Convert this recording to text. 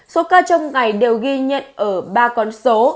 số ca trong ngày đều ghi nhận ở ba con số